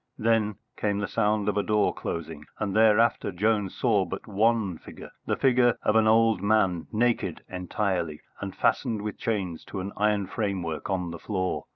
Then came the sound of a door closing, and thereafter Jones saw but one figure, the figure of an old man, naked entirely, and fastened with chains to an iron framework on the floor.